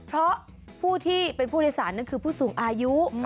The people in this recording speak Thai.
เพราะผู้ที่เป็นผู้โดยสารนั่นคือผู้สูงอายุ